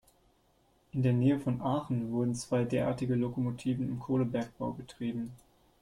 In der Nähe von Aachen wurden zwei derartige Lokomotiven im Kohlebergbau betrieben.